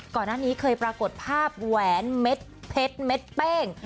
ก่อนหน้านี้เคยปรากฏภาพแหวนเม็ดเพชรเม็ดเป้ง